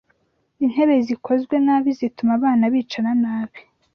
Intebe zikozwe nabi zituma abana bicara nabi